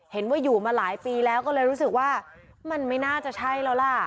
เห็นว่าอยู่มาหลายปีแล้วก็เลยรู้สึกว่ามันไม่น่าจะใช่แล้วล่ะ